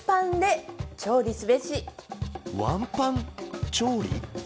ワンパン調理？